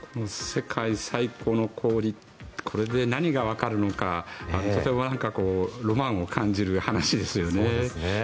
世界最古の氷これで何がわかるのかとてもロマンを感じる話ですよね。